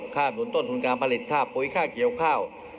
หนุนต้นทุนการผลิตค่าปุ๋ยค่าเกี่ยวข้าว